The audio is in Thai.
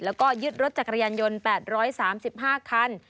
แล้วก็ยึดรถจักรยานยนต์๘๓๕คัน